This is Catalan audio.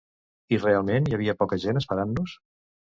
I realment hi havia poca gent esperant-nos.